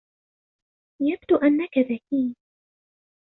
يبدو أنك ذكي.